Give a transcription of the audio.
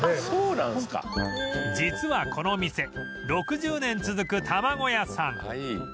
実はこの店６０年続く卵屋さん